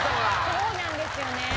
そうなんですよね。